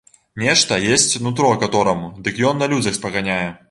Нешта есць нутро катораму, дык ён на людзях спаганяе.